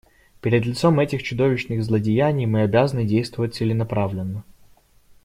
Перед лицом этих чудовищных злодеяний мы обязаны действовать целенаправленно.